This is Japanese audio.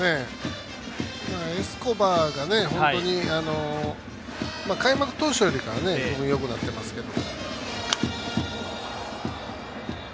エスコバーが開幕当初よりもよくなっていますけど。